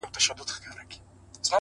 • هغه به زما له سترگو؛